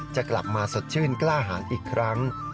จะกลับมาสดชื่นกล้าหารอีกครั้ง